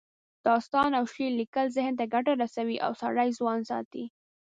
داستان او شعر لیکل ذهن ته ګټه رسوي او سړی ځوان ساتي